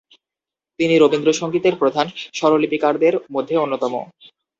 তিনি রবীন্দ্রসংগীতের প্রধান স্বরলিপিকারেদের মধ্যে অন্যতম।